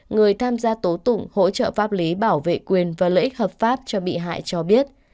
người tham gia tố tụng hỗ trợ pháp lý bảo vệ quyền và lợi ích hợp pháp cho bị hại cho biết